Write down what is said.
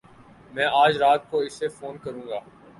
میں اج رات کو اسے فون کروں گا۔